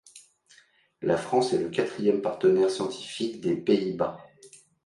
La France est le quatrième partenaire scientifique des Pays-Bas.